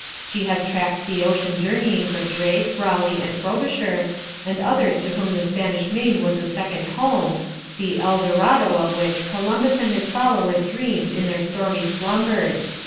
She has tracked the ocean journeyings of Drake, Raleigh, and Frobisher, and others to whom the Spanish main was a second home, the El Dorado of which Columbus and his followers dreamed in their stormy slumbers....